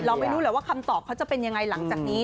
ไม่รู้แหละว่าคำตอบเขาจะเป็นยังไงหลังจากนี้